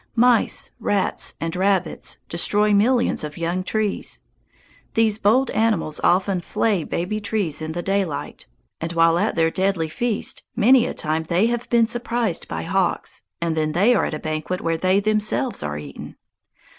Mice, rats, and rabbits destroy millions of young trees. These bold animals often flay baby trees in the daylight, and while at their deadly feast many a time have they been surprised by hawks, and then they are at a banquet where they themselves are eaten.